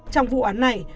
trong vụ án này